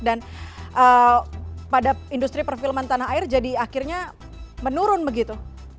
dan pada industri perfilman tanah air jadi akhirnya menurun begitu